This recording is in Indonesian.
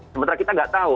sementara kita tidak tahu